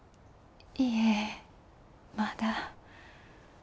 いえまだ。